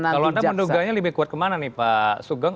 kalau anda menduganya lebih kuat kemana nih pak sugeng